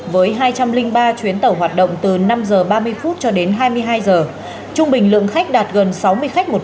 với hai trăm linh ba chuyến tàu hoạt động từ năm h ba mươi phút cho đến hai mươi hai h trung bình lượng khách đạt gần sáu mươi khách một